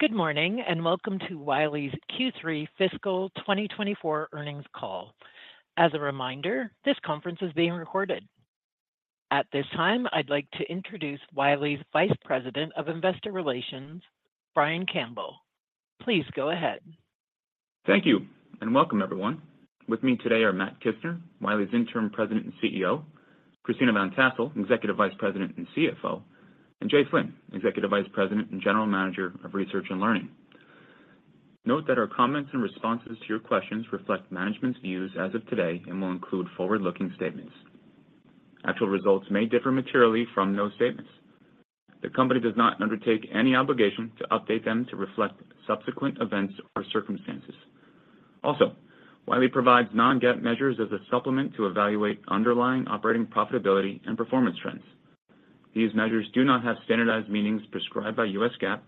Good morning and welcome to Wiley's Q3 Fiscal 2024 earnings call. As a reminder, this conference is being recorded. At this time, I'd like to introduce Wiley's Vice President of Investor Relations, Brian Campbell. Please go ahead. Thank you and welcome, everyone. With me today are Matt Kissner, Wiley's Interim President and CEO, Christina Van Tassell, Executive Vice President and CFO, and Jay Flynn, Executive Vice President and General Manager of Research and Learning. Note that our comments and responses to your questions reflect management's views as of today and will include forward-looking statements. Actual results may differ materially from those statements. The company does not undertake any obligation to update them to reflect subsequent events or circumstances. Also, Wiley provides non-GAAP measures as a supplement to evaluate underlying operating profitability and performance trends. These measures do not have standardized meanings prescribed by U.S. GAAP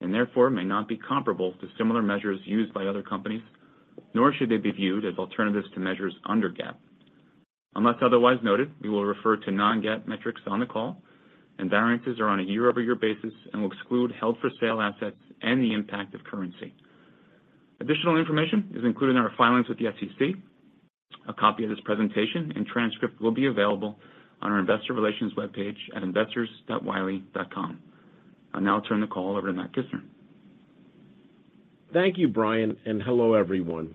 and therefore may not be comparable to similar measures used by other companies, nor should they be viewed as alternatives to measures under GAAP. Unless otherwise noted, we will refer to non-GAAP metrics on the call, and variances are on a year-over-year basis and will exclude held-for-sale assets and the impact of currency. Additional information is included in our filings with the SEC. A copy of this presentation and transcript will be available on our Investor Relations webpage at investors.wiley.com. I'll now turn the call over to Matt Kissner. Thank you, Brian, and hello everyone.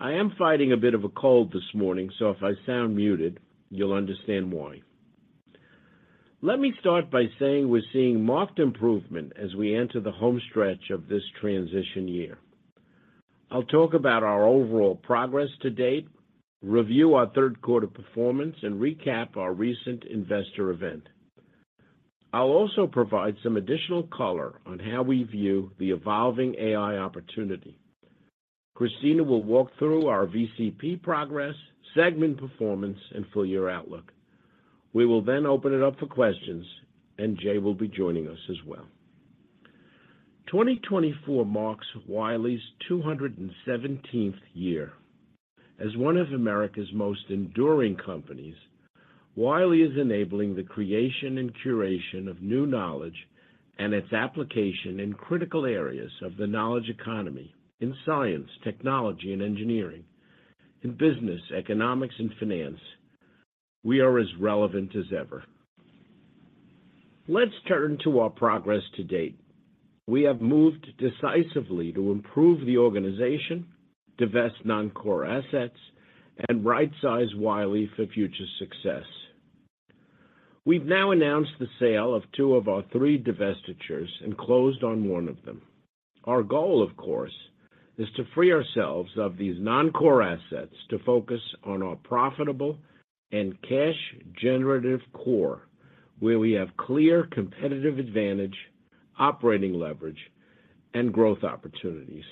I am fighting a bit of a cold this morning, so if I sound muted, you'll understand why. Let me start by saying we're seeing marked improvement as we enter the home stretch of this transition year. I'll talk about our overall progress to date, review our third quarter performance, and recap our recent investor event. I'll also provide some additional color on how we view the evolving AI opportunity. Christina will walk through our VCP progress, segment performance, and full-year outlook. We will then open it up for questions, and Jay will be joining us as well. 2024 marks Wiley's 217th year. As one of America's most enduring companies, Wiley is enabling the creation and curation of new knowledge and its application in critical areas of the knowledge economy, in science, technology, and engineering. In business, economics, and finance, we are as relevant as ever. Let's turn to our progress to date. We have moved decisively to improve the organization, divest non-core assets, and right-size Wiley for future success. We've now announced the sale of two of our three divestitures and closed on one of them. Our goal, of course, is to free ourselves of these non-core assets to focus on our profitable and cash-generative core, where we have clear competitive advantage, operating leverage, and growth opportunities.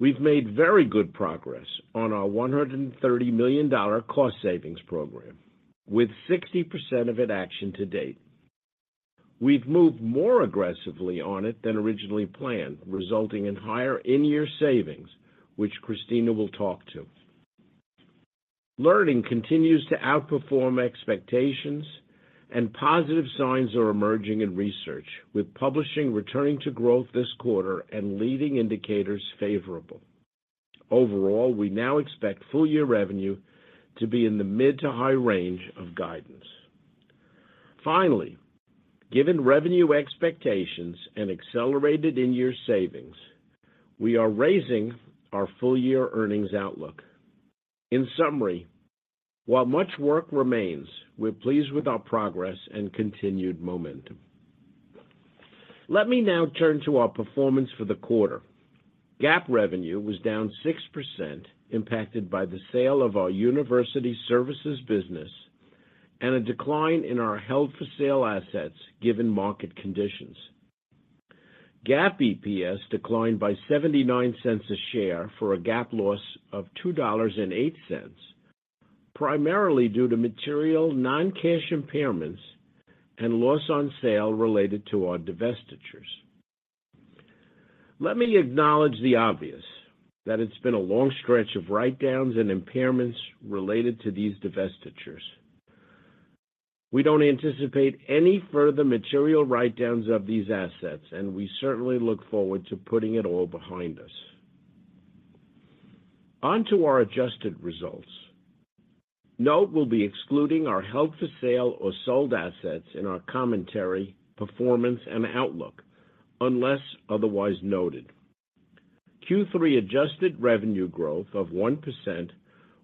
We've made very good progress on our $130 million cost-savings program, with 60% of it actioned to date. We've moved more aggressively on it than originally planned, resulting in higher in-year savings, which Christina will talk to. Learning continues to outperform expectations, and positive signs are emerging in research, with publishing returning to growth this quarter and leading indicators favorable. Overall, we now expect full-year revenue to be in the mid to high range of guidance. Finally, given revenue expectations and accelerated in-year savings, we are raising our full-year earnings outlook. In summary, while much work remains, we're pleased with our progress and continued momentum. Let me now turn to our performance for the quarter. GAAP revenue was down 6%, impacted by the sale of our university services business and a decline in our held-for-sale assets given market conditions. GAAP EPS declined by 0.79 a share for a GAAP loss of $2.08, primarily due to material non-cash impairments and loss on sale related to our divestitures. Let me acknowledge the obvious: that it's been a long stretch of write-downs and impairments related to these divestitures. We don't anticipate any further material write-downs of these assets, and we certainly look forward to putting it all behind us. Onto our adjusted results. Note we'll be excluding our held-for-sale or sold assets in our commentary, performance, and outlook unless otherwise noted. Q3 adjusted revenue growth of 1%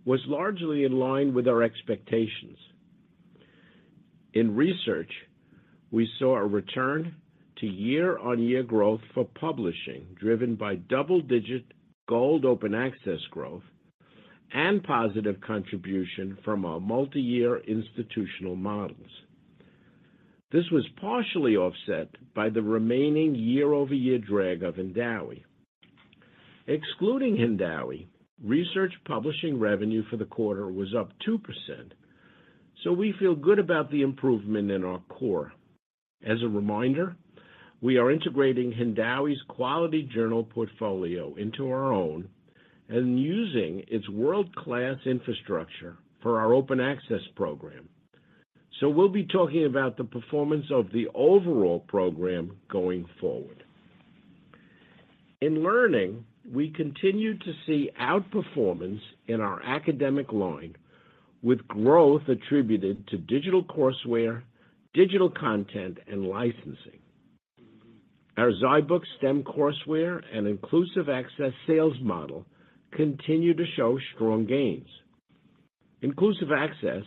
was largely in line with our expectations. In research, we saw a return to year-on-year growth for publishing driven by double-digit gold open access growth and positive contribution from our multi-year institutional models. This was partially offset by the remaining year-over-year drag of Hindawi. Excluding Hindawi, research publishing revenue for the quarter was up 2%, so we feel good about the improvement in our core. As a reminder, we are integrating Hindawi's quality journal portfolio into our own and using its world-class infrastructure for our open access program, so we'll be talking about the performance of the overall program going forward. In learning, we continue to see outperformance in our academic line with growth attributed to digital courseware, digital content, and licensing. Our zyBooks STEM courseware and inclusive access sales model continue to show strong gains. Inclusive access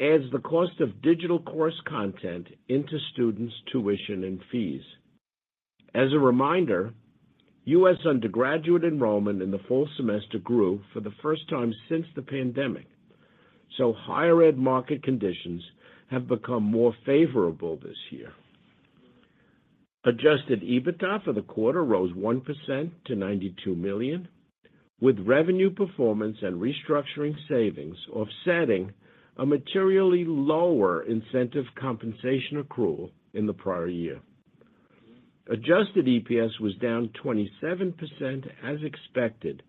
adds the cost of digital course content into students' tuition and fees. As a reminder, U.S. undergraduate enrollment in the fall semester grew for the first time since the pandemic, so higher ed market conditions have become more favorable this year. Adjusted EBITDA for the quarter rose 1% to $92 million, with revenue performance and restructuring savings offsetting a materially lower incentive compensation accrual in the prior year. Adjusted EPS was down 27% as expected,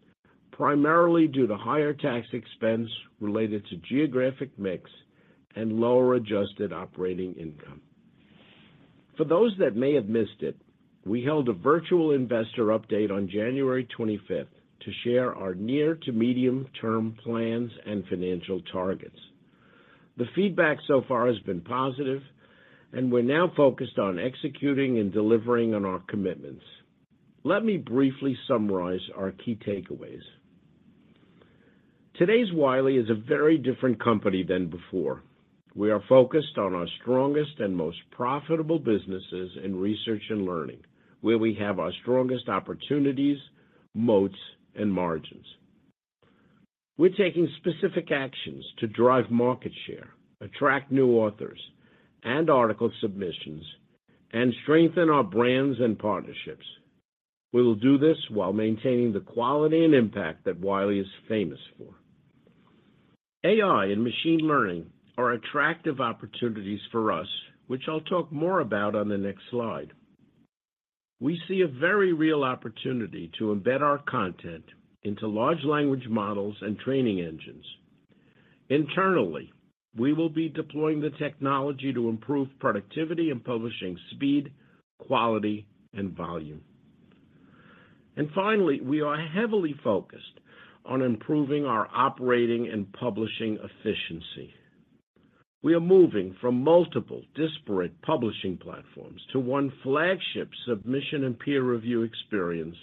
primarily due to higher tax expense related to geographic mix and lower adjusted operating income. For those that may have missed it, we held a virtual investor update on January 25th to share our near-to-medium-term plans and financial targets. The feedback so far has been positive, and we're now focused on executing and delivering on our commitments. Let me briefly summarize our key takeaways. Today's Wiley is a very different company than before. We are focused on our strongest and most profitable businesses in research and learning, where we have our strongest opportunities, moats, and margins. We're taking specific actions to drive market share, attract new authors and article submissions, and strengthen our brands and partnerships. We will do this while maintaining the quality and impact that Wiley is famous for. AI and machine learning are attractive opportunities for us, which I'll talk more about on the next slide. We see a very real opportunity to embed our content into large language models and training engines. Internally, we will be deploying the technology to improve productivity and publishing speed, quality, and volume. And finally, we are heavily focused on improving our operating and publishing efficiency. We are moving from multiple disparate publishing platforms to one flagship submission and peer review experience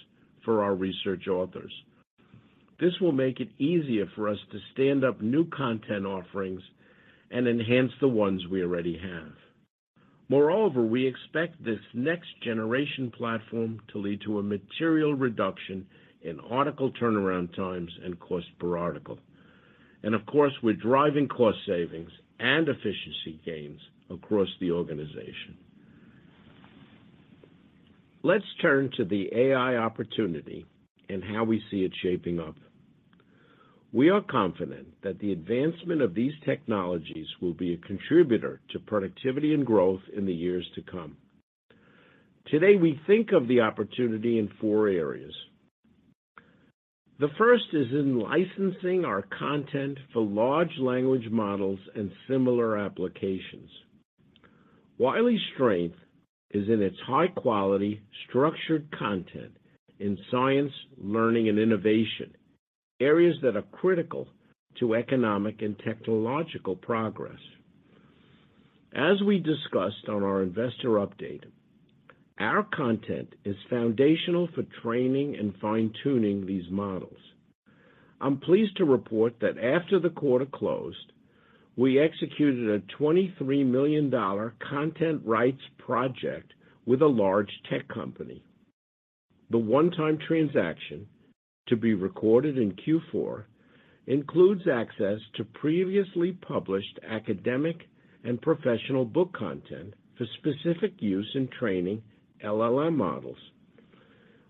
for our research authors. This will make it easier for us to stand up new content offerings and enhance the ones we already have. Moreover, we expect this next-generation platform to lead to a material reduction in article turnaround times and cost per article. And of course, we're driving cost savings and efficiency gains across the organization. Let's turn to the AI opportunity and how we see it shaping up. We are confident that the advancement of these technologies will be a contributor to productivity and growth in the years to come. Today we think of the opportunity in four areas. The first is in licensing our content for large language models and similar applications. Wiley's strength is in its high-quality, structured content in science, learning, and innovation, areas that are critical to economic and technological progress. As we discussed on our investor update, our content is foundational for training and fine-tuning these models. I'm pleased to report that after the quarter closed, we executed a $23 million content rights project with a large tech company. The one-time transaction, to be recorded in Q4, includes access to previously published academic and professional book content for specific use in training LLM models.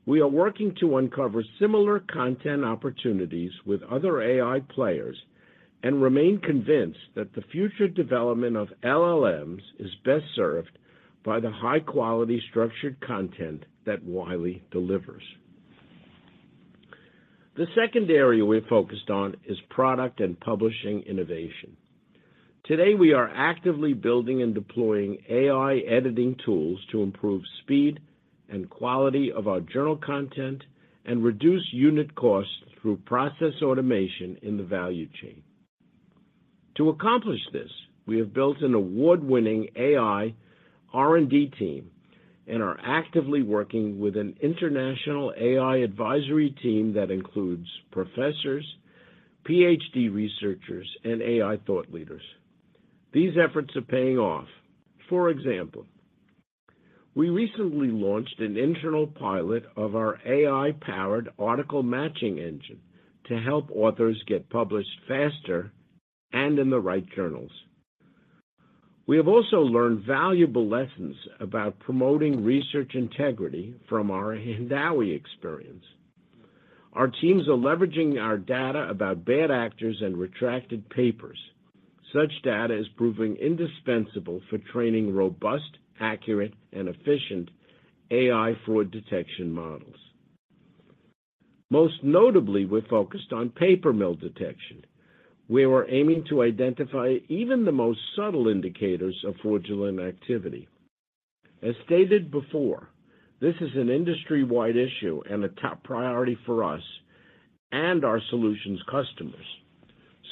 We are working to uncover similar content opportunities with other AI players and remain convinced that the future development of LLMs is best served by the high-quality, structured content that Wiley delivers. The second area we're focused on is product and publishing innovation. Today we are actively building and deploying AI editing tools to improve speed and quality of our journal content and reduce unit costs through process automation in the value chain. To accomplish this, we have built an award-winning AI R&D team and are actively working with an international AI advisory team that includes professors, PhD researchers, and AI thought leaders. These efforts are paying off. For example, we recently launched an internal pilot of our AI-powered article matching engine to help authors get published faster and in the right journals. We have also learned valuable lessons about promoting research integrity from our Hindawi experience. Our team is leveraging our data about bad actors and retracted papers. Such data is proving indispensable for training robust, accurate, and efficient AI fraud detection models. Most notably, we're focused on paper mill detection, where we're aiming to identify even the most subtle indicators of fraudulent activity. As stated before, this is an industry-wide issue and a top priority for us and our solutions' customers,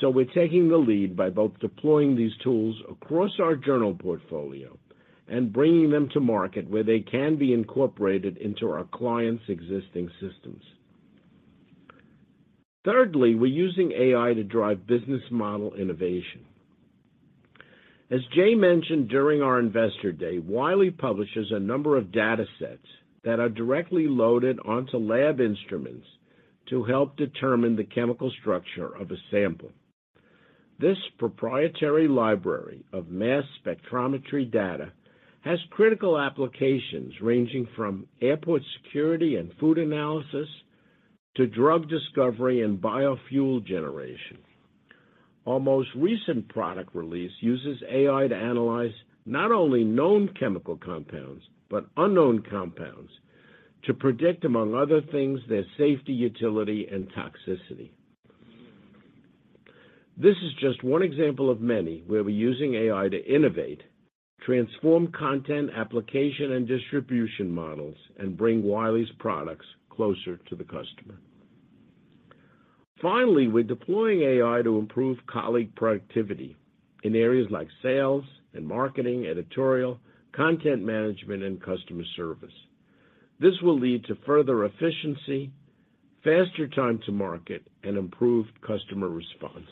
so we're taking the lead by both deploying these tools across our journal portfolio and bringing them to market where they can be incorporated into our clients' existing systems. Thirdly, we're using AI to drive business model innovation. As Jay mentioned during our investor day, Wiley publishes a number of data sets that are directly loaded onto lab instruments to help determine the chemical structure of a sample. This proprietary library of mass spectrometry data has critical applications ranging from airport security and food analysis to drug discovery and biofuel generation. Our most recent product release uses AI to analyze not only known chemical compounds but unknown compounds to predict, among other things, their safety, utility, and toxicity. This is just one example of many where we're using AI to innovate, transform content application and distribution models, and bring Wiley's products closer to the customer. Finally, we're deploying AI to improve colleague productivity in areas like sales, marketing, editorial, content management, and customer service. This will lead to further efficiency, faster time to market, and improved customer response.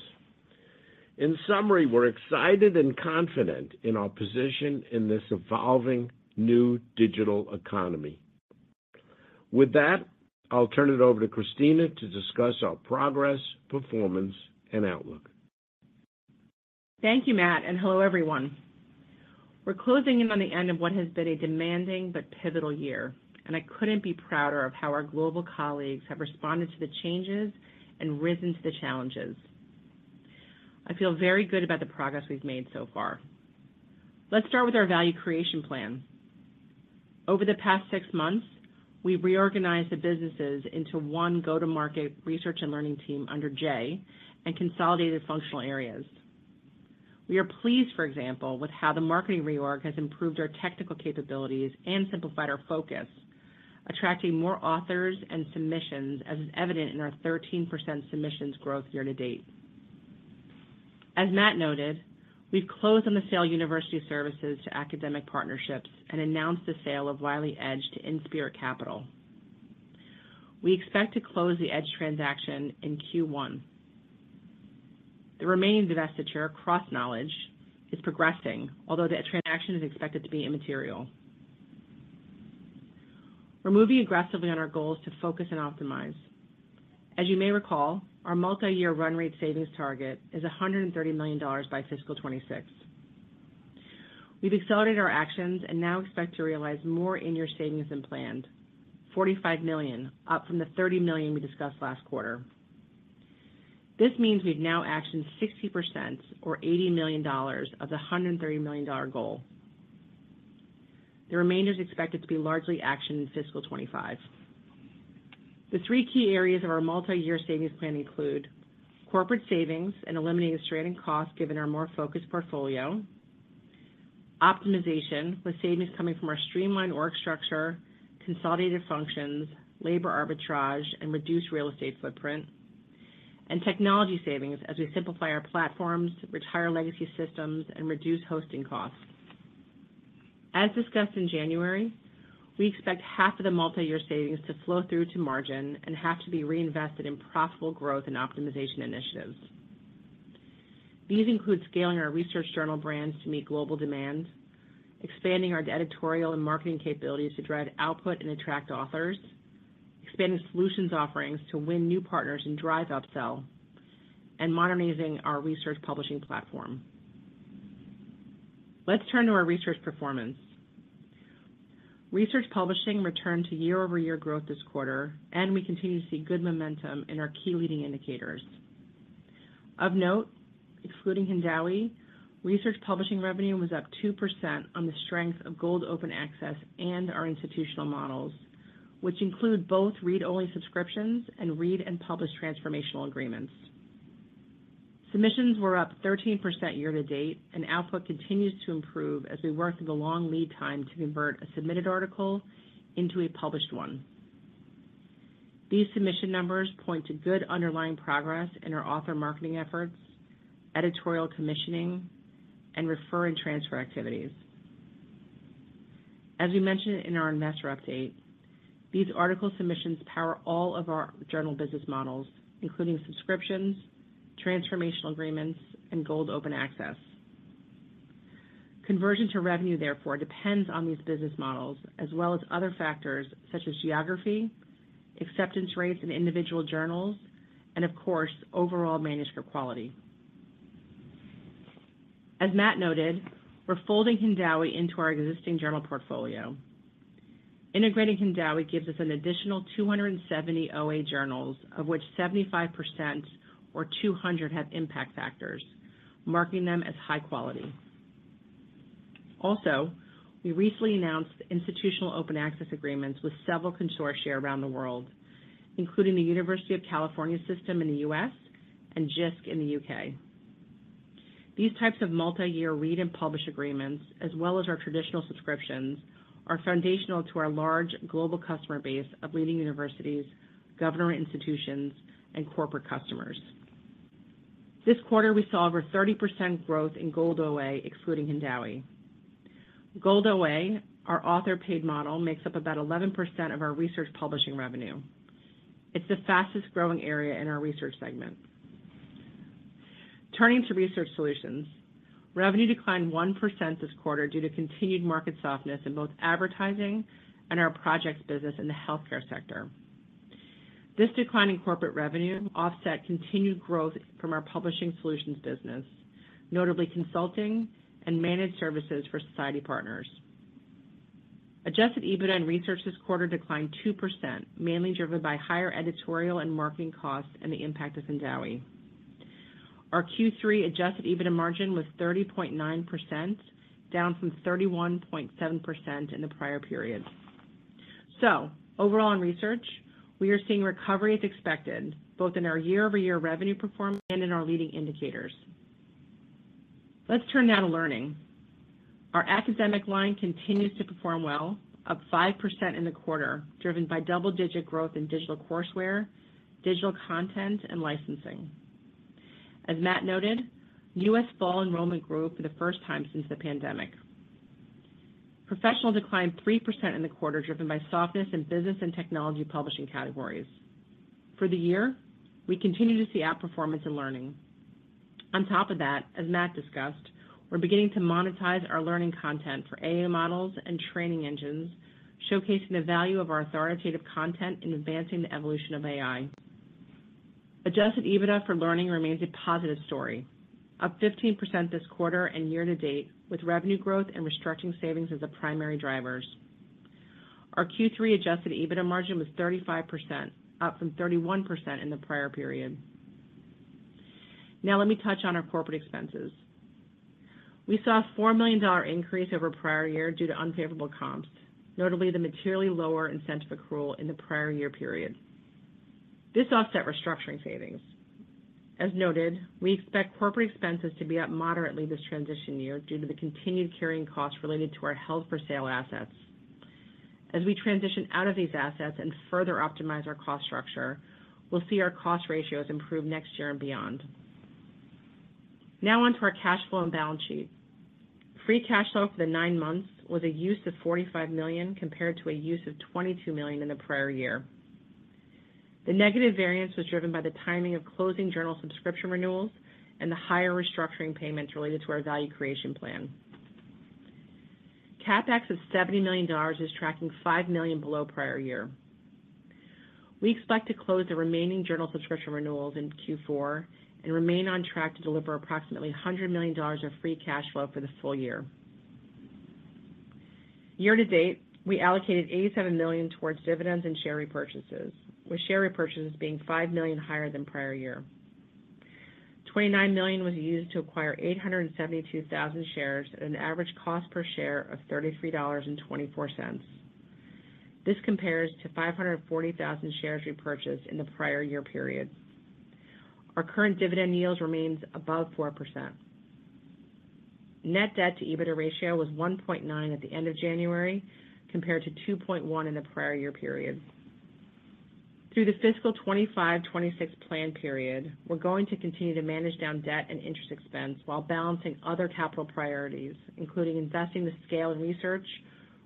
In summary, we're excited and confident in our position in this evolving new digital economy. With that, I'll turn it over to Christina to discuss our progress, performance, and outlook. Thank you, Matt, and hello everyone. We're closing in on the end of what has been a demanding but pivotal year, and I couldn't be prouder of how our global colleagues have responded to the changes and risen to the challenges. I feel very good about the progress we've made so far. Let's start with our Value Creation Plan. Over the past six months, we reorganized the businesses into one go-to-market research and learning team under Jay and consolidated functional areas. We are pleased, for example, with how the marketing reorg has improved our technical capabilities and simplified our focus, attracting more authors and submissions as is evident in our 13% submissions growth year-to-date. As Matt noted, we've closed on the sale of university services to Academic Partnerships and announced the sale of Wiley Edge to Inspirit Capital. We expect to close the Edge transaction in Q1. The remaining divestiture, CrossKnowledge, is progressing, although the transaction is expected to be immaterial. We're moving aggressively on our goals to focus and optimize. As you may recall, our multi-year run rate savings target is $130 million by fiscal 2026. We've accelerated our actions and now expect to realize more in-year savings than planned, $45 million, up from the $30 million we discussed last quarter. This means we've now actioned 60% or $80 million of the $130 million goal. The remainder is expected to be largely actioned in fiscal 2025. The three key areas of our multi-year savings plan include corporate savings and eliminating stranding costs given our more focused portfolio, optimization with savings coming from our streamlined org structure, consolidated functions, labor arbitrage, and reduced real estate footprint, and technology savings as we simplify our platforms, retire legacy systems, and reduce hosting costs. As discussed in January, we expect half of the multi-year savings to flow through to margin and half to be reinvested in profitable growth and optimization initiatives. These include scaling our research journal brands to meet global demand, expanding our editorial and marketing capabilities to drive output and attract authors, expanding solutions offerings to win new partners and drive upsell, and modernizing our research publishing platform. Let's turn to our research performance. Research publishing returned to year-over-year growth this quarter, and we continue to see good momentum in our key leading indicators. Of note, excluding Hindawi, research publishing revenue was up 2% on the strength of Gold Open Access and our institutional models, which include both read-only subscriptions and read-and-publish transformational agreements. Submissions were up 13% year to date, and output continues to improve as we work through the long lead time to convert a submitted article into a published one. These submission numbers point to good underlying progress in our author marketing efforts, editorial commissioning, and referring transfer activities. As we mentioned in our investor update, these article submissions power all of our journal business models, including subscriptions, transformational agreements, and Gold Open Access. Conversion to revenue, therefore, depends on these business models as well as other factors such as geography, acceptance rates in individual journals, and, of course, overall manuscript quality. As Matt noted, we're folding Hindawi into our existing journal portfolio. Integrating Hindawi gives us an additional 270 OA journals, of which 75% or 200 have impact factors, marking them as high quality. Also, we recently announced institutional open access agreements with several consortia around the world, including the University of California system in the U.S. and Jisc in the U.K. These types of multi-year read-and-publish agreements, as well as our traditional subscriptions, are foundational to our large global customer base of leading universities, government institutions, and corporate customers. This quarter, we saw over 30% growth in Gold OA, excluding Hindawi. Gold OA, our author-paid model, makes up about 11% of our research publishing revenue. It's the fastest growing area in our research segment. Turning to research solutions, revenue declined 1% this quarter due to continued market softness in both advertising and our projects business in the healthcare sector. This decline in corporate revenue offset continued growth from our publishing solutions business, notably consulting and managed services for society partners. Adjusted EBITDA in research this quarter declined 2%, mainly driven by higher editorial and marketing costs and the impact of Hindawi. Our Q3 adjusted EBITDA margin was 30.9%, down from 31.7% in the prior period. So overall, in research, we are seeing recovery as expected both in our year-over-year revenue performance and in our leading indicators. Let's turn now to learning. Our academic line continues to perform well, up 5% in the quarter, driven by double-digit growth in digital courseware, digital content, and licensing. As Matt noted, U.S. Fall enrollment grew for the first time since the pandemic. Professional declined 3% in the quarter, driven by softness in business and technology publishing categories. For the year, we continue to see outperformance in learning. On top of that, as Matt discussed, we're beginning to monetize our learning content for AI models and training engines, showcasing the value of our authoritative content in advancing the evolution of AI. Adjusted EBITDA for learning remains a positive story, up 15% this quarter and year to date, with revenue growth and restructuring savings as the primary drivers. Our Q3 adjusted EBITDA margin was 35%, up from 31% in the prior period. Now let me touch on our corporate expenses. We saw a $4 million increase over prior year due to unfavorable comps, notably the materially lower incentive accrual in the prior year period. This offset restructuring savings. As noted, we expect corporate expenses to be up moderately this transition year due to the continued carrying costs related to our held-for-sale assets. As we transition out of these assets and further optimize our cost structure, we'll see our cost ratios improve next year and beyond. Now onto our cash flow and balance sheet. Free cash flow for the nine months was a use of $45 million compared to a use of $22 million in the prior year. The negative variance was driven by the timing of closing journal subscription renewals and the higher restructuring payments related to our value creation plan. CapEx of $70 million is tracking $5 million below prior year. We expect to close the remaining journal subscription renewals in Q4 and remain on track to deliver approximately $100 million of free cash flow for the full year. Year to date, we allocated $87 million towards dividends and share repurchases, with share repurchases being $5 million higher than prior year. $29 million was used to acquire 872,000 shares at an average cost per share of $33.24. This compares to 540,000 shares repurchased in the prior year period. Our current dividend yield remains above 4%. Net Debt-to-EBITDA ratio was 1.9 at the end of January compared to 2.1 in the prior year period. Through the fiscal 2025-2026 plan period, we're going to continue to manage down debt and interest expense while balancing other capital priorities, including investing the scale in research,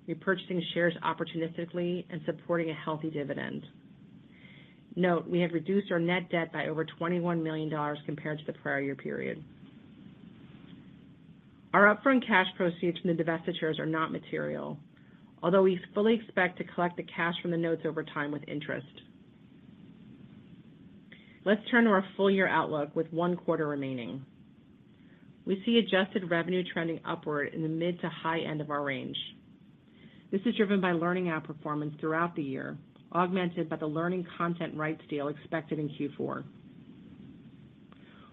repurchasing shares opportunistically, and supporting a healthy dividend. Note, we have reduced our net debt by over $21 million compared to the prior year period. Our upfront cash proceeds from the divestitures are not material, although we fully expect to collect the cash from the notes over time with interest. Let's turn to our full-year outlook with one quarter remaining. We see adjusted revenue trending upward in the mid to high end of our range. This is driven by learning outperformance throughout the year, augmented by the learning content rights deal expected in Q4.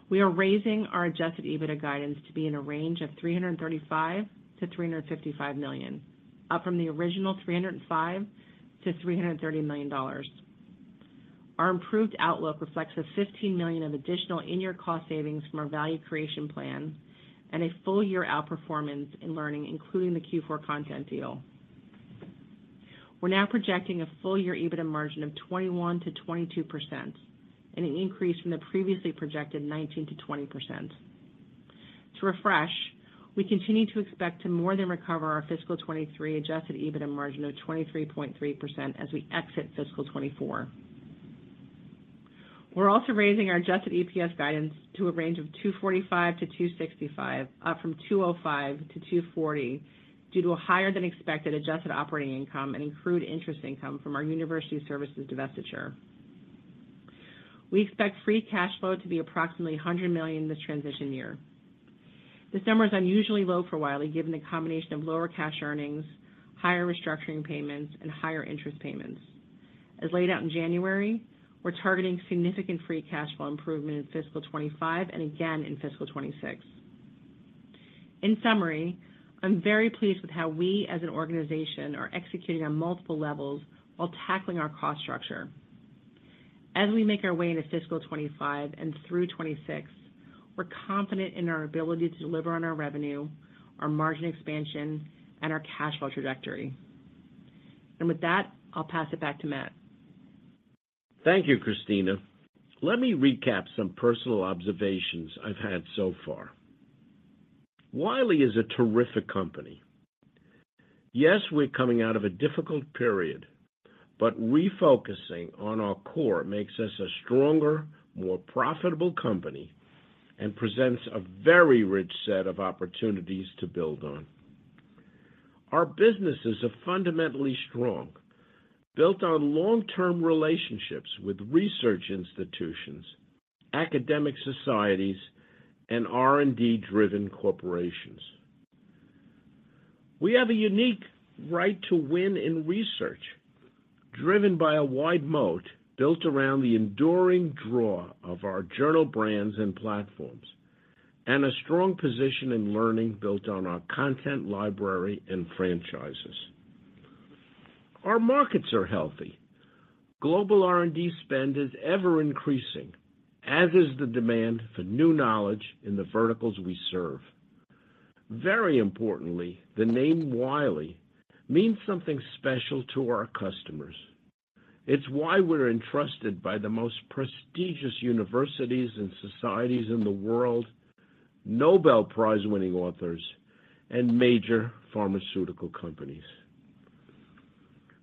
We are raising our adjusted EBITDA guidance to be in a range of $335 million-$355 million, up from the original $305 million-$330 million. Our improved outlook reflects a $15 million of additional in-year cost savings from our value creation plan and a full-year outperformance in learning, including the Q4 content deal. We're now projecting a full-year EBITDA margin of 21%-22%, an increase from the previously projected 19%-20%. To refresh, we continue to expect to more than recover our fiscal 2023 adjusted EBITDA margin of 23.3% as we exit fiscal 2024. We're also raising our Adjusted EPS guidance to a range of 245-265, up from 205-240 due to a higher-than-expected adjusted operating income and accrued interest income from our university services divestiture. We expect Free Cash Flow to be approximately $100 million this transition year. This number is unusually low for Wiley given the combination of lower cash earnings, higher restructuring payments, and higher interest payments. As laid out in January, we're targeting significant Free Cash Flow improvement in fiscal 2025 and again in fiscal 2026. In summary, I'm very pleased with how we, as an organization, are executing on multiple levels while tackling our cost structure. As we make our way into fiscal 2025 and through 2026, we're confident in our ability to deliver on our revenue, our margin expansion, and our cash flow trajectory. And with that, I'll pass it back to Matt. Thank you, Christina. Let me recap some personal observations I've had so far. Wiley is a terrific company. Yes, we're coming out of a difficult period, but refocusing on our core makes us a stronger, more profitable company and presents a very rich set of opportunities to build on. Our business is fundamentally strong, built on long-term relationships with research institutions, academic societies, and R&D-driven corporations. We have a unique right to win in research, driven by a wide moat built around the enduring draw of our journal brands and platforms, and a strong position in learning built on our content library and franchises. Our markets are healthy. Global R&D spend is ever-increasing, as is the demand for new knowledge in the verticals we serve. Very importantly, the name Wiley means something special to our customers. It's why we're entrusted by the most prestigious universities and societies in the world, Nobel Prize-winning authors, and major pharmaceutical companies.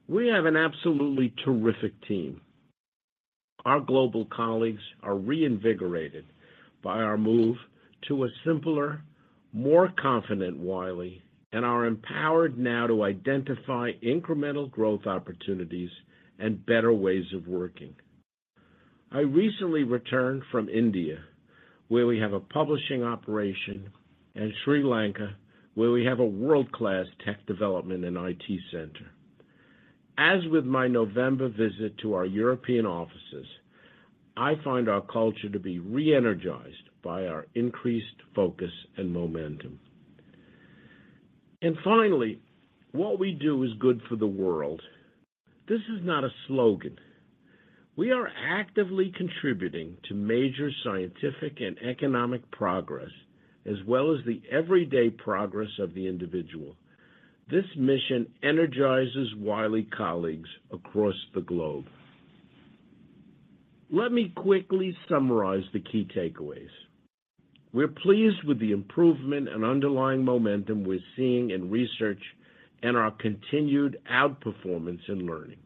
We have an absolutely terrific team. Our global colleagues are reinvigorated by our move to a simpler, more confident Wiley and are empowered now to identify incremental growth opportunities and better ways of working. I recently returned from India, where we have a publishing operation, and Sri Lanka, where we have a world-class tech development and IT center. As with my November visit to our European offices, I find our culture to be re-energized by our increased focus and momentum. And finally, what we do is good for the world. This is not a slogan. We are actively contributing to major scientific and economic progress as well as the everyday progress of the individual. This mission energizes Wiley colleagues across the globe. Let me quickly summarize the key takeaways. We're pleased with the improvement and underlying momentum we're seeing in research and our continued outperformance in learning.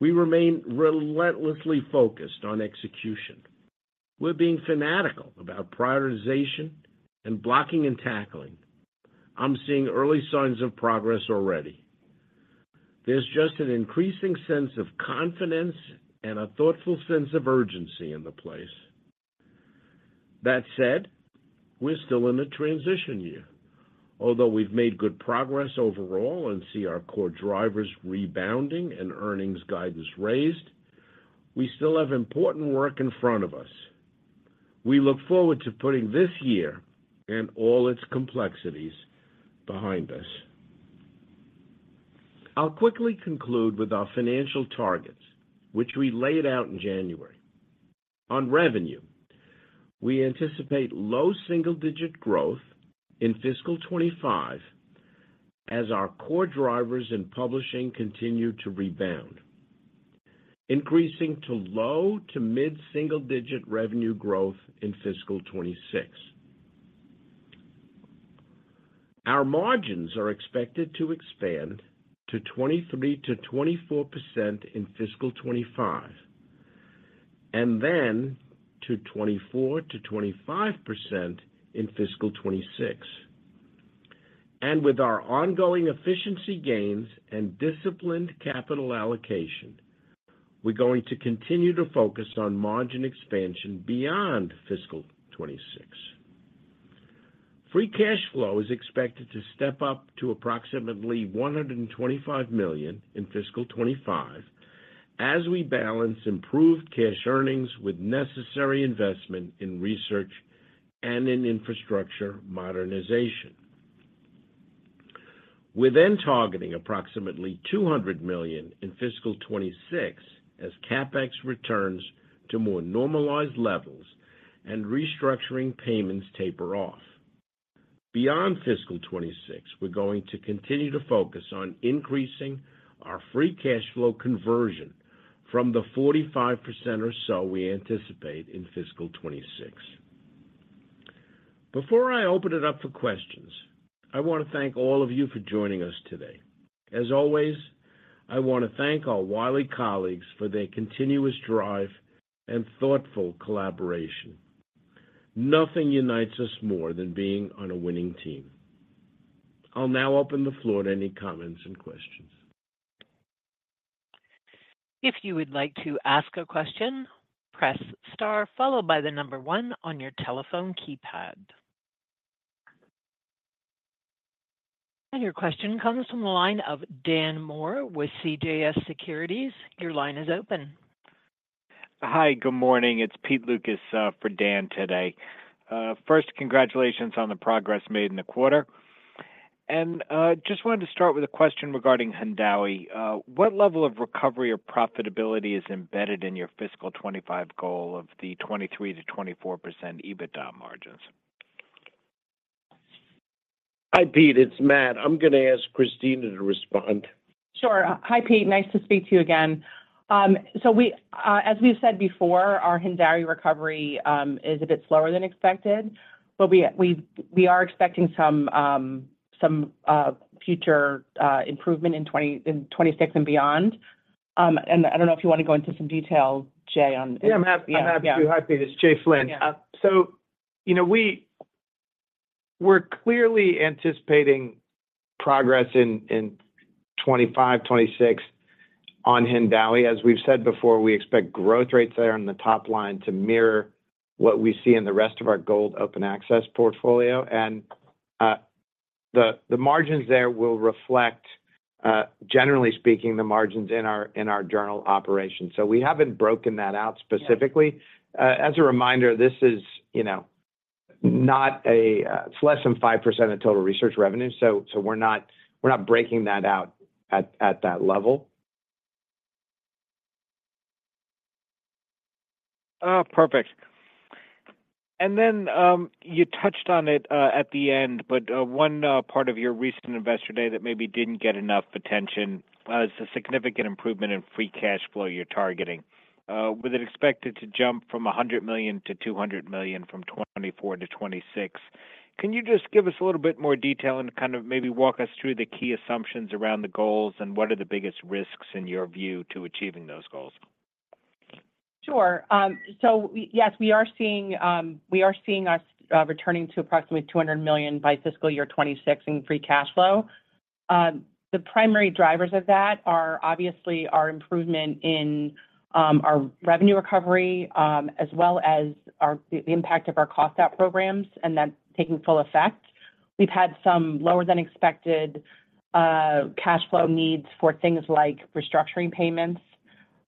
We remain relentlessly focused on execution. We're being fanatical about prioritization and blocking and tackling. I'm seeing early signs of progress already. There's just an increasing sense of confidence and a thoughtful sense of urgency in the place. That said, we're still in a transition year. Although we've made good progress overall and see our core drivers rebounding and earnings guidance raised, we still have important work in front of us. We look forward to putting this year and all its complexities behind us. I'll quickly conclude with our financial targets, which we laid out in January. On revenue, we anticipate low single-digit growth in fiscal 2025 as our core drivers in publishing continue to rebound, increasing to low to mid-single-digit revenue growth in fiscal 2026. Our margins are expected to expand to 23%-24% in fiscal 2025 and then to 24%-25% in fiscal 2026. With our ongoing efficiency gains and disciplined capital allocation, we're going to continue to focus on margin expansion beyond fiscal 2026. Free cash flow is expected to step up to approximately $125 million in fiscal 2025 as we balance improved cash earnings with necessary investment in research and in infrastructure modernization. We're then targeting approximately $200 million in fiscal 2026 as CapEx returns to more normalized levels and restructuring payments taper off. Beyond fiscal 2026, we're going to continue to focus on increasing our free cash flow conversion from the 45% or so we anticipate in fiscal 2026. Before I open it up for questions, I want to thank all of you for joining us today. As always, I want to thank our Wiley colleagues for their continuous drive and thoughtful collaboration. Nothing unites us more than being on a winning team. I'll now open the floor to any comments and questions. If you would like to ask a question, press star followed by the number 1 on your telephone keypad. Your question comes from the line of Dan Moore with CJS Securities. Your line is open. Hi, good morning. It's Pete Lucas for Dan today. First, congratulations on the progress made in the quarter. Just wanted to start with a question regarding Hindawi. What level of recovery or profitability is embedded in your fiscal 2025 goal of the 23%-24% EBITDA margins? Hi Pete, it's Matt. I'm going to ask Christina to respond. Sure. Hi Pete, nice to speak to you again. So as we've said before, our Hindawi recovery is a bit slower than expected, but we are expecting some future improvement in 2026 and beyond. I don't know if you want to go into some detail, Jay, on. Yeah, I'm happy to. Hi Pete, it's Jay Flynn. So we're clearly anticipating progress in 2025, 2026 on Hindawi. As we've said before, we expect growth rates there on the top line to mirror what we see in the rest of our Gold Open Access portfolio. And the margins there will reflect, generally speaking, the margins in our journal operation. So we haven't broken that out specifically. As a reminder, this is not a it's less than 5% of total research revenue, so we're not breaking that out at that level. Perfect. And then you touched on it at the end, but one part of your recent investor day that maybe didn't get enough attention is the significant improvement in free cash flow you're targeting. Was it expected to jump from $100 million to $200 million from 2024 to 2026? Can you just give us a little bit more detail and kind of maybe walk us through the key assumptions around the goals and what are the biggest risks, in your view, to achieving those goals? Sure. So yes, we are seeing us returning to approximately $200 million by fiscal year 2026 in free cash flow. The primary drivers of that are, obviously, our improvement in our revenue recovery as well as the impact of our cost-out programs and that taking full effect. We've had some lower-than-expected cash flow needs for things like restructuring payments,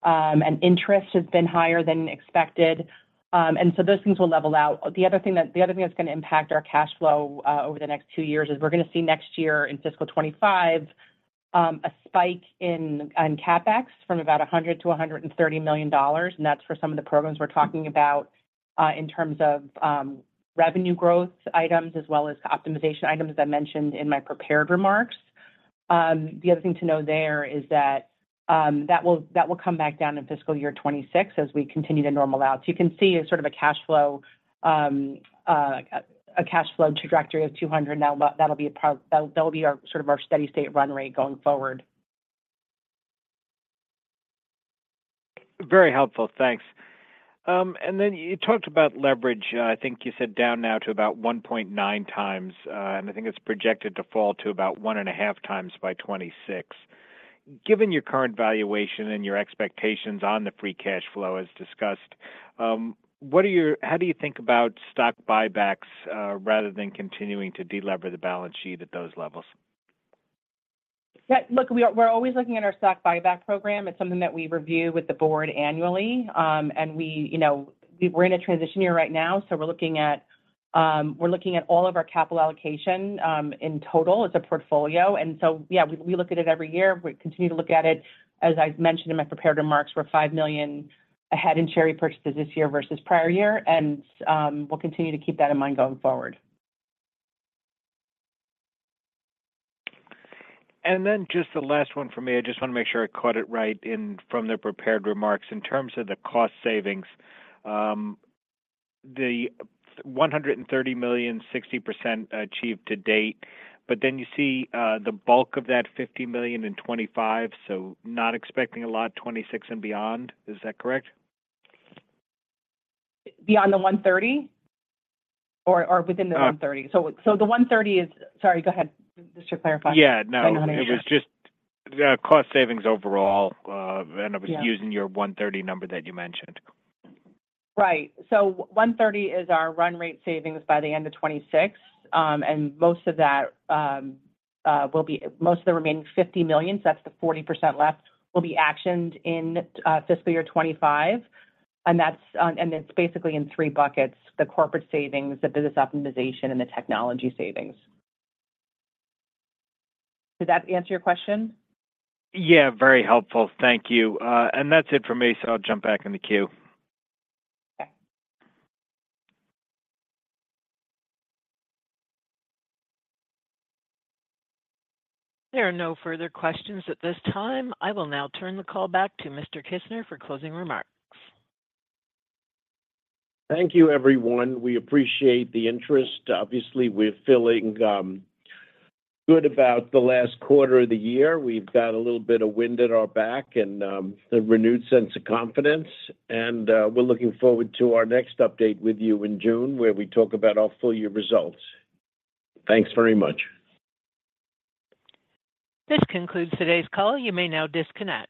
and interest has been higher than expected. And so those things will level out. The other thing that's going to impact our cash flow over the next two years is we're going to see next year in fiscal 2025 a spike in CapEx from about $100 million-$130 million. And that's for some of the programs we're talking about in terms of revenue growth items as well as optimization items that I mentioned in my prepared remarks. The other thing to know there is that that will come back down in fiscal year 2026 as we continue to normalize. You can see sort of a cash flow trajectory of $200. That'll be sort of our steady-state run rate going forward. Very helpful. Thanks. And then you talked about leverage. I think you said down now to about 1.9 times, and I think it's projected to fall to about 1.5 times by 2026. Given your current valuation and your expectations on the free cash flow, as discussed, how do you think about stock buybacks rather than continuing to delever the balance sheet at those levels? Look, we're always looking at our stock buyback program. It's something that we review with the board annually. We're in a transition year right now, so we're looking at all of our capital allocation in total. It's a portfolio. Yeah, we look at it every year. We continue to look at it. As I mentioned in my prepared remarks, we're $5 million ahead in share purchases this year versus prior year. We'll continue to keep that in mind going forward. Then just the last one for me. I just want to make sure I caught it right from the prepared remarks. In terms of the cost savings, the $130 million, 60% achieved to date. But then you see the bulk of that $50 million in 2025, so not expecting a lot 2026 and beyond. Is that correct? Beyond the 130 or within the 130? So the 130 is, sorry, go ahead, just to clarify. Yeah, no. It was just cost savings overall, and I was using your 130 number that you mentioned. Right. So $130 million is our run rate savings by the end of 2026. And most of that will be most of the remaining $50 million, so that's the 40% left, will be actioned in fiscal year 2025. And it's basically in three buckets: the corporate savings, the business optimization, and the technology savings. Did that answer your question? Yeah, very helpful. Thank you. That's it for me, so I'll jump back in the queue. Okay. There are no further questions at this time. I will now turn the call back to Mr. Kissner for closing remarks. Thank you, everyone. We appreciate the interest. Obviously, we're feeling good about the last quarter of the year. We've got a little bit of wind at our back and a renewed sense of confidence. We're looking forward to our next update with you in June where we talk about our full year results. Thanks very much. This concludes today's call. You may now disconnect.